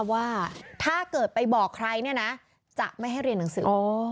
ว่าถ้าเกิดไปบอกใครเนี่ยนะจะไม่ให้เรียนหนังสือ